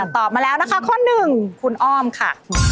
ตอบมาแล้วนะคะข้อ๑คุณออมค่ะ